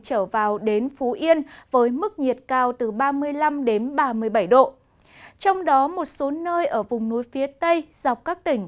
trở vào đến phú yên với mức nhiệt cao từ ba mươi năm ba mươi bảy độ trong đó một số nơi ở vùng núi phía tây dọc các tỉnh